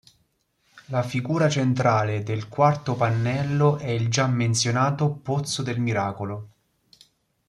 La figura centrale del quarto pannello è il già menzionato pozzo del miracolo.